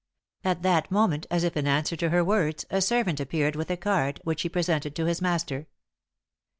At that moment, as if in answer to her words, a servant appeared with a card, which he presented to his master.